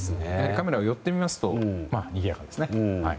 カメラが寄ってみますとにぎやかですね。